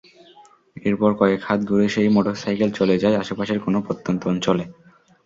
এরপর কয়েক হাত ঘুরে সেই মোটরসাইকেল চলে যায় আশপাশের কোনো প্রত্যন্ত অঞ্চলে।